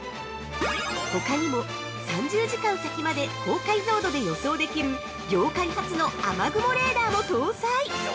◆ほかにも、３０時間先まで高解像度で予想できる業界初の雨雲レーダーも搭載！